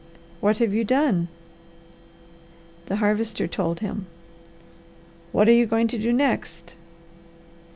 "What have you done?" The Harvester told him. "What are you going to do next?"